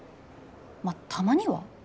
まあたまには？